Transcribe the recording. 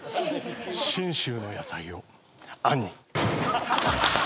信州の野菜を杏に。